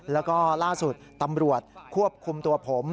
แล้วก็ล่าสุดตำรวจควบคุมตัวผม